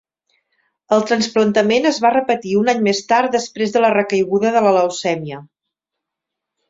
El trasplantament es va repetir un any més tard després de la recaiguda de la leucèmia.